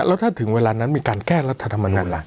แล้วถ้าถึงเวลานั้นมีการแก้รัฐธรรมนูญล่ะ